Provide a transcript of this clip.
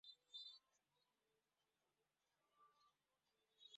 তার পিতার নাম খান বাহাদুর মোহাম্মদ গাজী চৌধুরী।